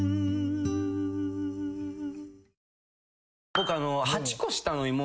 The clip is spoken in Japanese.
僕。